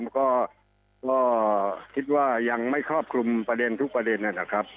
ก็คิดว่ายังไม่ครอบคลุมประเด็นทุกประเด็นนะครับ